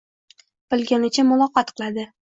Bilganicha muloqot qiladi.